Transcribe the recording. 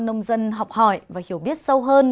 nông dân học hỏi và hiểu biết sâu hơn